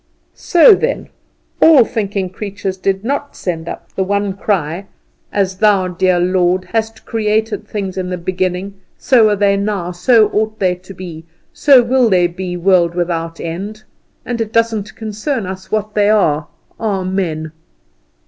So, then, all thinking creatures did not send up the one cry "As thou, dear Lord, has created things in the beginning, so are they now, so ought they to be, so will they be, world without end; and it doesn't concern us what they are. Amen."